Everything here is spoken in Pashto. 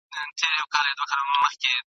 چي ناحقه پردي جنگ ته ورگډېږي !.